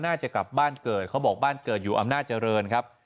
น่าจะกลับบ้านเกิดเขาบอกบ้านเกิดอยู่อำนาจเจริญครับ